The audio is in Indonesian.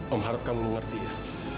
om harap kamu mengerti ya